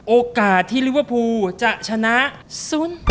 โอกาสที่ลิวอภูจะชนะศุนย์